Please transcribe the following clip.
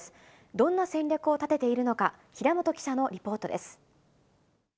どんな戦略を立てているのか、平本記者のリポートです。